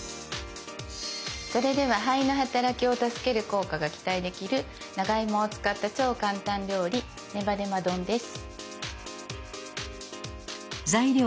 それでは「肺」の働きを助ける効果が期待できる長芋を使った超簡単料理「ねばねば丼」です。